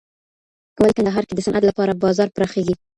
ولي کندهار کي د صنعت لپاره بازار پراخېږي؟